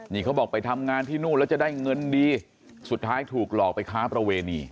นี่เขาบอกไปทำงานที่นู่นแล้วจะได้เงินดีสุดท้ายถูกหลอกไปค้าประเวณี